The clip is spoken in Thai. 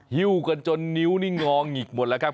ฮิ้วกันจนนิ้วนี่งอหงิกหมดแล้วครับ